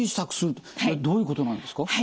これどういうことなんですか？